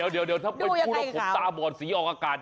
เดี๋ยวถ้าคนพูดว่าผมตาบ่อสีออกกัน